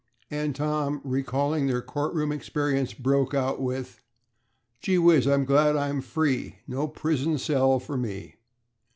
And Tom, recalling their court room experience, broke out with: "Gee whiz, I'm glad I'm free No prison cell for me."